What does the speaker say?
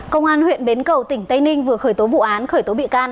công an huyện bến cầu tỉnh tây ninh vừa khởi tố vụ án khởi tố bị can